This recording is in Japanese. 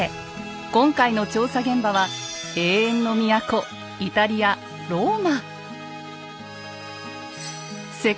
今回の調査現場は永遠の都イタリアローマ。